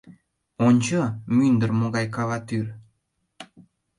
Ончо, мӱндыр могай каватӱр.